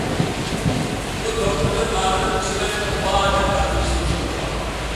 بۇ دوپپىنىڭ نامىنىڭ چىمەن دوپپا دەپ ئاتىلىشىمۇ شۇنىڭغا باغلىق.